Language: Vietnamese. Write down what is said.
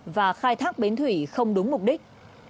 và khai thác bến thủy không đúng mục đích